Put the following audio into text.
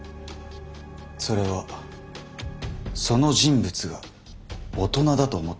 それはその人物が大人だと思っていたからです。